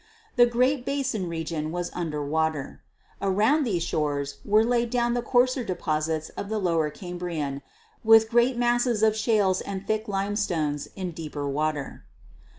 The Great Basin region was under water. Around these shores were laid down the coarser deposits of the Lower Cambrian, with great masses of shales and thick limestones in deeper water.